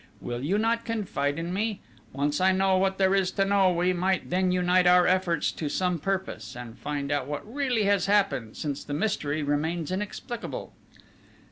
Will you not confide in me? Once I know what there is to know we might then unite our efforts to some purpose, and find out what really has happened, since the mystery remains inexplicable."